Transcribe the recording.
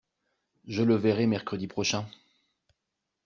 Je le verrai mercredi prochain.